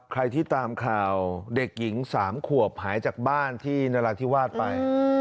ใครที่ตามข่าวเด็กหญิง๓ขวบหายจากบ้านที่นราธิวาสไป